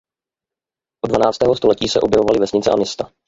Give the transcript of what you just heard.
Od dvanáctého století se objevovaly vesnice a města.